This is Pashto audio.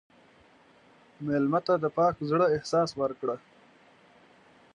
مېلمه ته د پاک زړه احساس ورکړه.